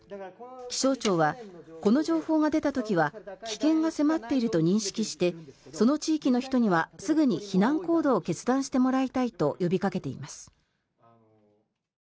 気象庁は、この情報が出た時は危険が迫っていると認識してその地域の人にはすぐに避難行動を決断してもらいたいと呼びかけています。